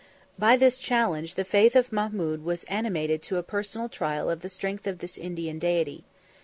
By this challenge, the faith of Mahmud was animated to a personal trial of the strength of this Indian deity.